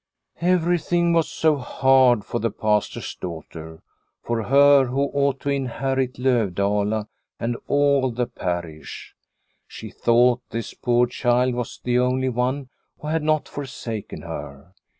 Everything was so hard for the Pastor's daughter, for her who ought to inherit Lovdala 206 Liliecrona's Home and all the parish. She thought this poor child was the only one who had not forsaken her.